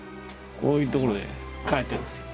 こういう所で描いてるんですよ。